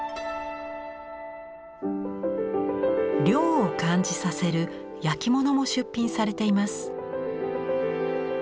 涼を感じさせる焼き物も出品されています。